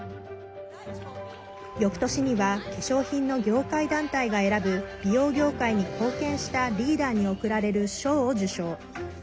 翌年には化粧品の業界団体が選ぶ美容業界に貢献したリーダーに贈られる賞を受賞。